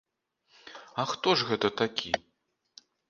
А хто ж гэта такі?